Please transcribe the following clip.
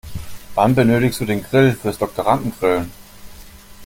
Wann benötigst du den Grill fürs Doktorandengrillen?